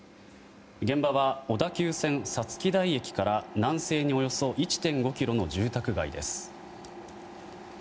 現場は小田急線五月台駅から南西におよそ１．５ｋｍの住宅街です。